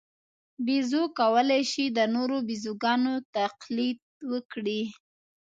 بیزو کولای شي د نورو بیزوګانو تقلید وکړي.